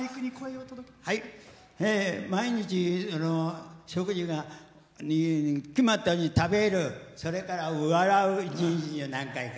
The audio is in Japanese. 毎日、食事決まったように食べるそれから笑う、一日に何回か。